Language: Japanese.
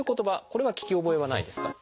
これは聞き覚えはないですか？